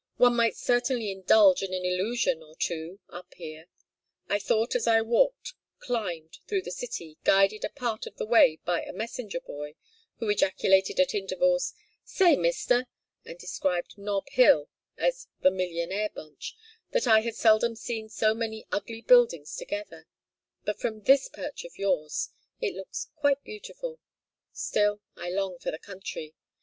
One might certainly indulge in an illusion or two up here. I thought as I walked climbed through the city, guided a part of the way by a messenger boy, who ejaculated at intervals, 'Say, mister!' and described Nob Hill as the 'millionaire bunch,' that I had seldom seen so many ugly buildings together; but from this perch of yours it looks quite beautiful. Still I long for the country.